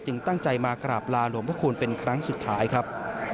ตั้งใจมากราบลาหลวงพระคุณเป็นครั้งสุดท้ายครับ